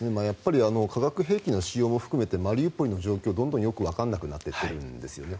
化学兵器の使用も含めてマリウポリの状況はどんどんよくわからなくなっているんですよね。